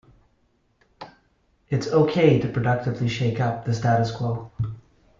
It's ok to productively shakeup the status-quo.